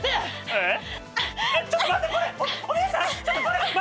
えっ？